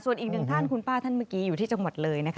ส่วนอีกหนึ่งท่านคุณป้าท่านเมื่อกี้อยู่ที่จังหวัดเลยนะคะ